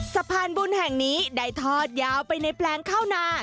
สะพานบุญแห่งนี้ได้ทอดยาวไปในแปลงข้าวนา